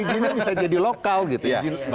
izinnya bisa jadi lokal gitu ya